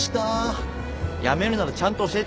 辞めるならちゃんと教えてくださいよ。